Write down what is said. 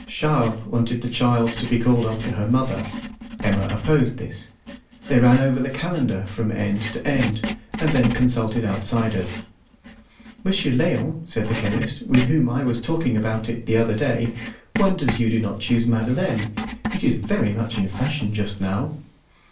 Charles wanted the child to be called after her mother; Emma opposed this. They ran over the calendar from end to end, and then consulted outsiders. "Monsieur Léon," said the chemist, "with whom I was talking about it the other day, wonders you do not chose Madeleine. It is very much in fashion just now."